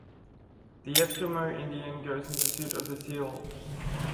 The Eskimo Indian goes in pursuit of the seal.